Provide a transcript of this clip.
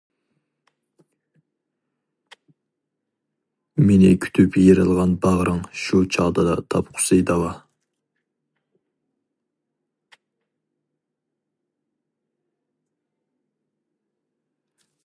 مېنى كۈتۈپ يېرىلغان باغرىڭ، شۇ چاغدىلا تاپقۇسى داۋا.